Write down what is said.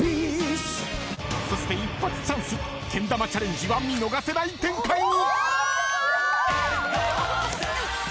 そして、一発チャンスけん玉チャレンジは見逃せない展開に。